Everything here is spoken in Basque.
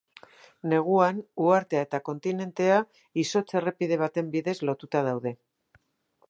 Neguan, uhartea eta kontinentea, izotz errepide baten bidez lotuta daude.